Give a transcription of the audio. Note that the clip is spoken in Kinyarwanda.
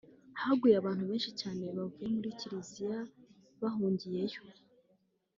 haguye abantu benshi cyane bavuye mu Kiliziya bahungiye yo